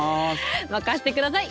任せてください。